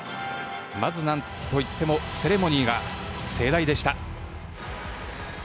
まず何といってもセレモニーが盛大でした。